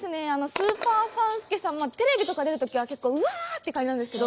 スーパー３助さんテレビとか出る時は結構うわー！って感じなんですけど